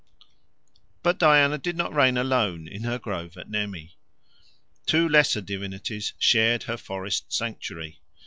But Diana did not reign alone in her grove at Nemi. Two lesser divinities shared her forest sanctuary.